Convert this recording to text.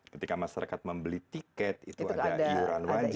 ketika masyarakat membeli tiket itu ada iuran wajib